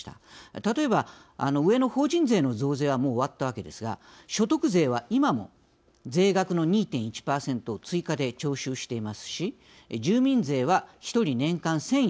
例えば上の法人税の増税はもう終わったわけですが所得税は今も税額の２．１％を追加で徴収していますし住民税は一人年間１，０００円